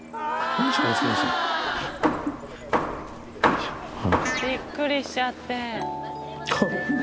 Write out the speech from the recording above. びっくりしちゃって。